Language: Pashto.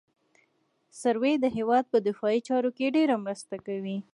سروې د هېواد په دفاعي چارو کې ډېره مرسته کوي